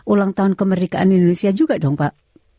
ulang tahun kemerdekaan indonesia juga dong pak